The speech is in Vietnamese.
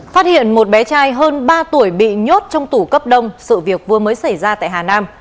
phát hiện một bé trai hơn ba tuổi bị nhốt trong tủ cấp đông sự việc vừa mới xảy ra tại hà nam